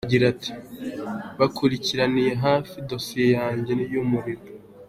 Agira ati “Bakurikiraniye hafi dosiye yanjye y’umuriro.